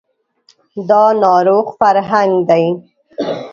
دا ناروغ فرهنګ دی